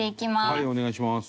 はいお願いします。